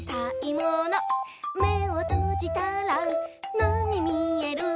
「めをとじたらなにみえる？」